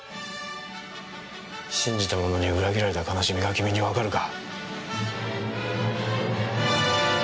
信じた者に裏切られた悲しみが君にわかるか？